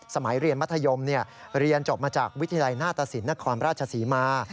สมัยเรียนมัธยมเรียนจบมาจากวิทยาลัยหน้าตสินนครราชศรีมา